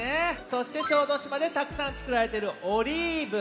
そして小豆島でたくさんつくられているオリーブ。